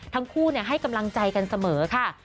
ให้กำลังใจกันเสมอค่ะ